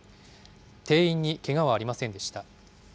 店員にけがはありませんでした。